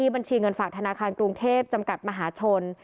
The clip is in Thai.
บรรณาคารกรุงเทพจำกัดมหาชน